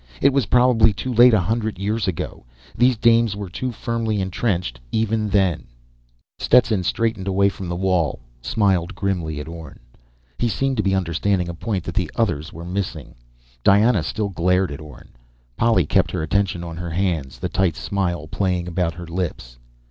It was probably too late a hundred years ago. These dames were too firmly entrenched even then." Stetson straightened away from the wall, smiled grimly at Orne. He seemed to be understanding a point that the others were missing. Diana still glared at Orne. Polly kept her attention on her hands, the tight smile playing about her lips.